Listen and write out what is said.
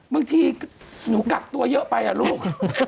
เดี๋ยวหนูกัดตัวเยอะไปอะรู๊ค